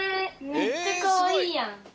めっちゃかわいいやん。